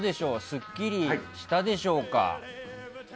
すっきりしたでしょうか？